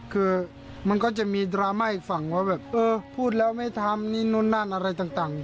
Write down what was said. คือมันก็จะมีดราม่าอีกฝั่งว่าแบบเออพูดแล้วไม่ทำนี่นู่นนั่นอะไรต่าง